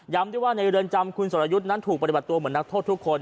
ได้ว่าในเรือนจำคุณสรยุทธ์นั้นถูกปฏิบัติตัวเหมือนนักโทษทุกคน